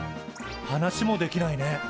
話もできないね。